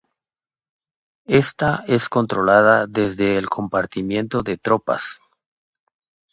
Esta es controlada desde el compartimiento de tropas.